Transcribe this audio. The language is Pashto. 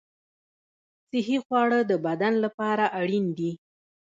صحي خواړه د بدن لپاره اړین دي.